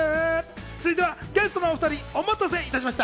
続いてはゲストのお２人をお待たせしました。